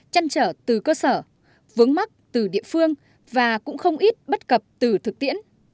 chăn trở từ cơ sở vướng mắt từ địa phương và cũng không ít bất cập từ thực tiễn